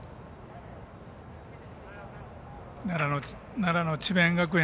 奈良の智弁学園